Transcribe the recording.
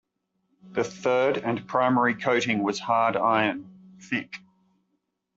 The third and primary coating was hard iron, thick.